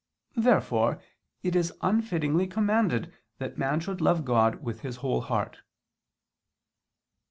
Therefore it is unfittingly commanded that man should love God with his whole heart.